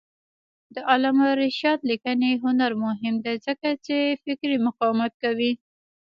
د علامه رشاد لیکنی هنر مهم دی ځکه چې فکري مقاومت کوي.